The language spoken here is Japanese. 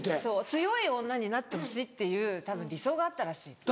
強い女になってほしいっていうたぶん理想があったらしい。